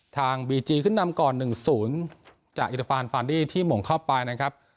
ทางบีจีขึ้นนำก่อนหนึ่งศูนย์จากอิตฟานฟานดี้ที่หมงเข้าไปนะครับ